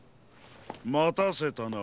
またせたな。